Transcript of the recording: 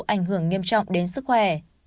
ảnh hưởng nghiêm trọng đến sức khỏe